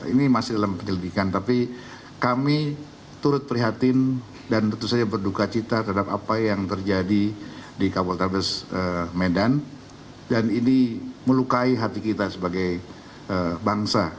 ini masih dalam penyelidikan tapi kami turut prihatin dan tentu saja berduka cita terhadap apa yang terjadi di kabupaten medan dan ini melukai hati kita sebagai bangsa